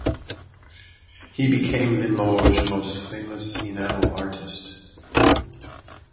He became Limoges most famous enamel artist.